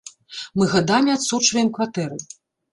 Мы гадамі адсочваем кватэры.